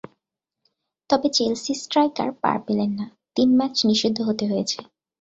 তবে Chelsea striker পার পেলেন না, তিন ম্যাচ নিষিদ্ধ হতে হয়েছে।